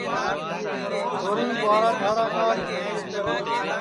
چھوری ٻُہارا جھاڑا کاڈؔ